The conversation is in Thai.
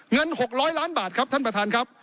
เงิน๖๐๐ล้านบาทครับท่านประธานครับ